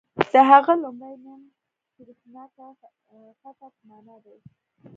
د هغه لومړی نوم سریښناکه خټه په معنا دی.